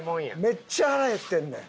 めっちゃ腹減ってんねん。